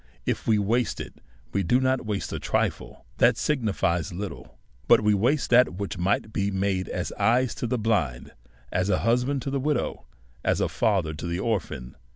If we waste it, we do not waste a trifle that siguilies little, but we waste that which might be made as eyes to the blind, as a hus band to the widow, as a father to the orphan.